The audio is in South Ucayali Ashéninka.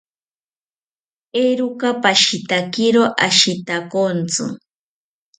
Eeroka pashitakiro ashitakontzi